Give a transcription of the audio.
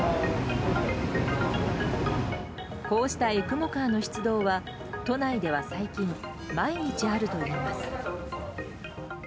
こうしたＥＣＭＯＣａｒの出動は都内では最近、毎日あるといいます。